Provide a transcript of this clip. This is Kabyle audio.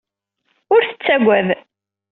Ur tettagad.